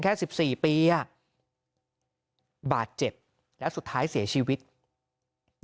มันมีปืน